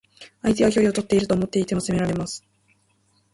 相手は距離をとっていると思っていても攻められます。